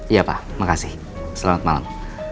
iya pak makasih selamat malam